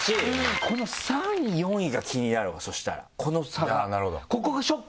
この３位４位が気になるわそしたらこの差が。